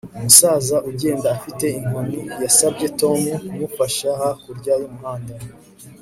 Umusaza ugenda afite inkoni yasabye Tom kumufasha hakurya yumuhanda